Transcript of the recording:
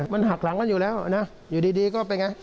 มันหักหลังก็อยู่แล้วอยู่ดีก็เป็นอย่างไร